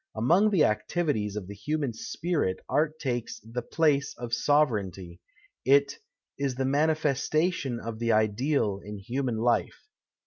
Among the activities of the human spirit art takes " the place of sove reignty." It " is the manifestation of the ideal in human life."